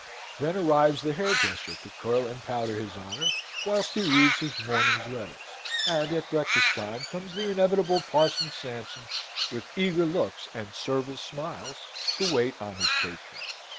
Then arrives the hairdresser to curl and powder his honour, whilst he reads his morning's letters; and at breakfast time comes that inevitable Parson Sampson, with eager looks and servile smiles, to wait on his patron.